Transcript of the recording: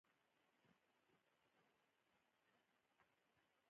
شېخ اسماعیل یو مستانه شاعر تېر سوﺉ دﺉ.